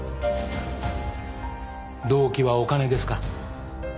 動機はお金ですか？